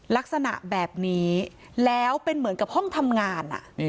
ลักษณะแบบนี้แล้วเป็นเหมือนกับห้องทำงาน